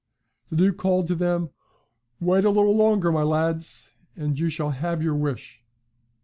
The Duke called to them: "Wait a little longer, my lads, and you shall have your wish."